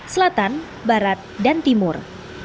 selatan barat dan timur